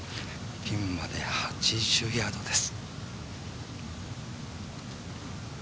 ピンまで８０ヤードです。